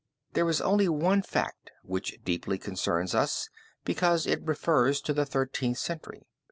There is only one fact which deeply concerns us because it refers to the Thirteenth Century.